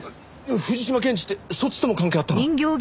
藤島健司ってそっちとも関係あったの？